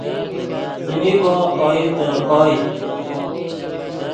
څیمی کو اوئیتے اوئے